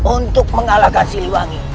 untuk mengalahkan siliwangi